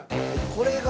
これが？